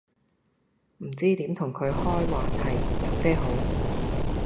唔知點同佢開話題搭嗲好